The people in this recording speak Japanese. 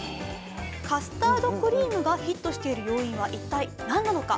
カスタードクリームがヒットしている要因は一体何なのか。